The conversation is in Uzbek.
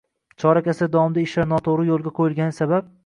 chorak asr davomida ishlar noto‘g‘ri yo‘lga qo‘yilgani sabab